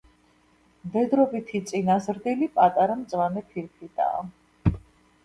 მდედრობითი წინაზრდილი პატარა მწვანე ფირფიტაა.